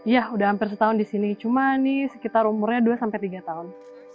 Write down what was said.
ya udah hampir setahun di sini cuma ini sekitar umurnya dua sampai tiga tahun